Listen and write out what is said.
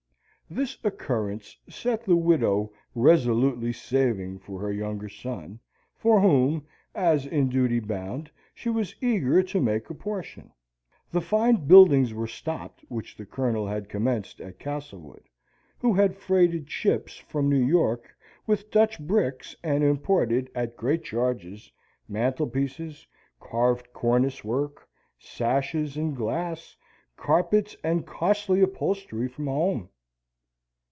This occurrence set the widow resolutely saving for her younger son, for whom, as in duty bound, she was eager to make a portion. The fine buildings were stopped which the Colonel had commenced at Castlewood, who had freighted ships from New York with Dutch bricks, and imported, at great charges, mantelpieces, carved cornice work, sashes and glass, carpets and costly upholstery from home.